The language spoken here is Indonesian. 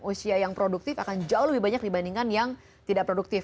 usia yang produktif akan jauh lebih banyak dibandingkan yang tidak produktif